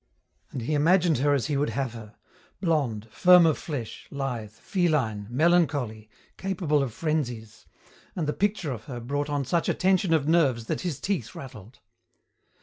And he imagined her as he would have her, blonde, firm of flesh, lithe, feline, melancholy, capable of frenzies; and the picture of her brought on such a tension of nerves that his teeth rattled.